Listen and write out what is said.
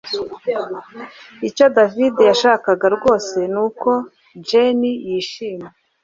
Icyo David yashakaga rwose nuko Jane yishima